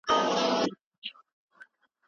له منځنۍ برخې یې